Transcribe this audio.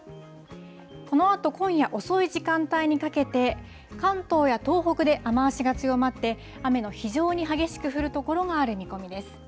このあと今夜遅い時間帯にかけて、関東や東北で雨足が強まって、雨の非常に激しく降る所がある見込みです。